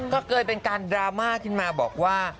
ก็เกิดเป็นการดราม่าขึ้นมาบอกว่า